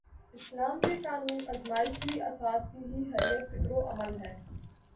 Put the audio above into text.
اسلام کے قانون آزمائش کی اساس ہی حریت فکر و عمل ہے۔